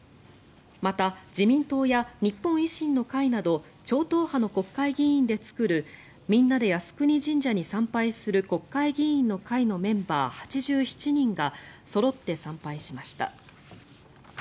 また、自民党や日本維新の会など超党派の国会議員で作るみんなで靖国神社に参拝する国会議員の会のメンバー８７人がそろって参拝しました。